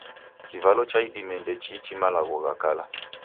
Kivalo cha idime ndechiichi malagho gha kala